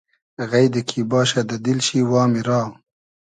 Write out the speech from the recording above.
غݷدی کی باشۂ دۂ دیل شی وامی را